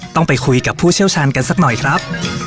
ต้องไปคุยกับผู้เชี่ยวชาญกันสักหน่อยครับ